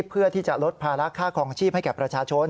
เพื่อที่จะลดภาระค่าคลองชีพให้แก่ประชาชน